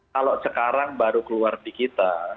kalau sekarang baru keluar di kita